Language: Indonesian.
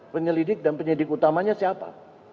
penyelidik dan penyidik utamanya siapa